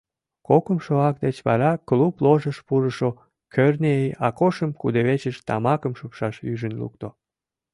Кокымшо акт деч вара клуб ложыш пурышо Кӧрнеи Акошым кудывечыш тамакым шупшаш ӱжын лукто.